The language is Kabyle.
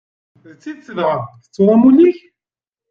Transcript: D tidet dɣa, tettuḍ amulli-k?